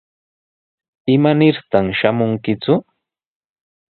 ¿Imanirtaq shamunkiku?